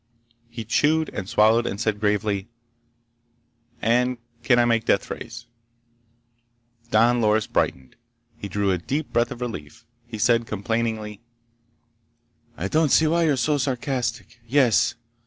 He chewed, and swallowed, and said gravely: "And can I make deathrays?" Don Loris brightened. He drew a deep breath of relief. He said complainingly: "I don't see why you're so sarcastic! Yes.